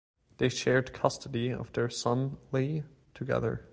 They shared custody of their son Lee together.